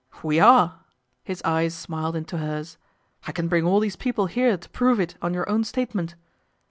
" We are," his eyes smiled into hers. " I can bring all these people here to prove it on your own statement."